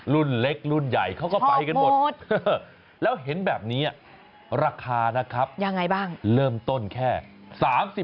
รุ่นเล็กรุ่นใหญ่เขาก็ไปกันหมดแล้วเห็นแบบนี้ราคานะครับยังไงบ้างเริ่มต้นแค่๓๐บาท